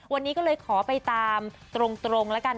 วันนี้ก็เลยขอไปตามตรงแล้วกัน